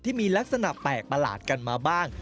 ที่มีลักษณะแปลกประหลาดกันมาบ้าง